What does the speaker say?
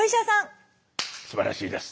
すばらしいです。